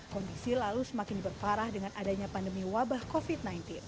kondisi lalu semakin diperparah dengan adanya pandemi wabah covid sembilan belas